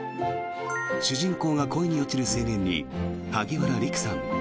主人公が恋に落ちる青年に萩原利久さん。